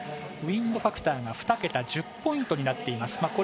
ウインドファクターが２桁１０ポイントになっています。